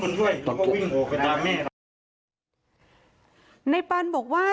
ปืนมันลั่นไปใส่แฟนสาวเขาก็ยังยันกับเราเหมือนเดิมแบบนี้นะคะ